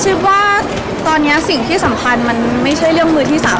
คิดว่าตอนนี้สิ่งที่สำคัญมันไม่ใช่เรื่องมือที่๓